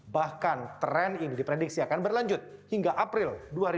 bahkan tren ini diprediksi akan berlanjut hingga april dua ribu dua puluh